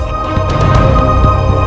aku akan menjahatkan mereka